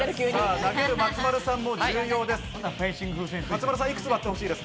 投げる松丸さんも重要です。